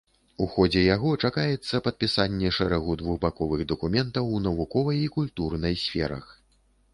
У ходзе яго чакаецца падпісанне шэрагу двухбаковых дакументаў у навуковай і культурнай сферах.